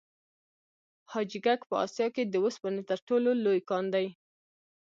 حاجي ګک په اسیا کې د وسپنې تر ټولو لوی کان دی.